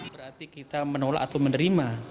berarti kita menolak atau menerima